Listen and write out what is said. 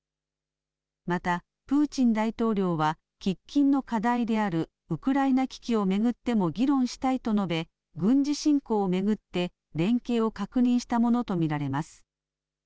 また、プーチン大統領は喫緊の課題であるウクライナ危機を巡っても議論したいと述べ、軍事侵攻を巡って連携を確認したものと見られます。